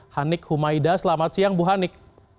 hanik humaida selamat siang bu hanik